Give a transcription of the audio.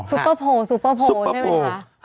ซุปเปอร์โพลใช่ไหมคะ